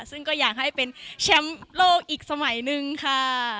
ซึ่งก็อยากให้เป็นแชมป์โลกอีกสมัยนึงค่ะ